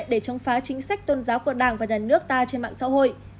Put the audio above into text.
để chống phá chính sách tôn giáo của đảng và nhà nước ta trên mạng xã hội